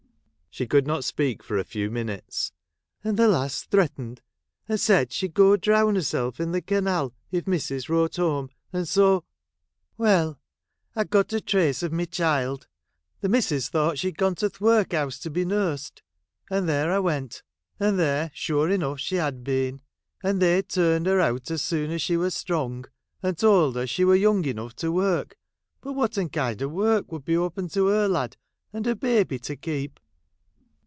* She could not speak for a few mi nutes,— "and the lass threatened, and said she 'd go drown herself in the canal, if the missus wrote home, — and so —' Well ! I 'd got a trace of my child, — the missus thought she 'd gone to th' workhouse to be nursed ; and there I went, — and there, sure enough, she had been, — and they 'd turned her out as soon as she were strong, and told her she were young enough to work, — but whatten kind o' work would be open to her, lad, and her baby to keep